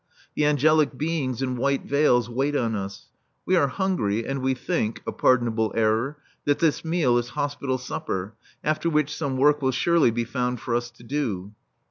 The angelic beings in white veils wait on us. We are hungry and we think (a pardonable error) that this meal is hospital supper; after which some work will surely be found for us to do.